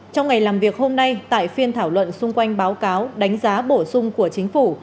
trong ngày làm việc hôm nay tại phiên thảo luận xung quanh báo cáo đánh giá bổ sung của chính phủ